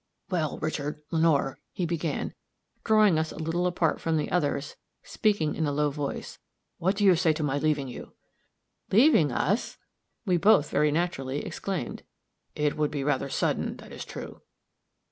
"Well, Richard, Lenore," he began, drawing us a little apart from the others, speaking in a low voice, "what do you say to my leaving you?" "Leaving us!" we both very naturally exclaimed. "It would be rather sudden, that is true."